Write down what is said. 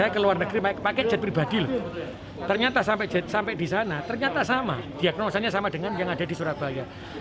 ternyata sama diagnosannya sama dengan yang ada di surabaya